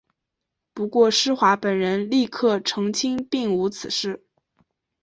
不过施华本人立刻澄清并无此事。